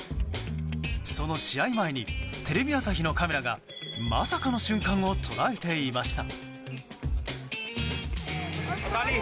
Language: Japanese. その試合前にテレビ朝日のカメラがまさかの瞬間を捉えていました。